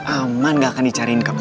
aman gak akan dicariin kamu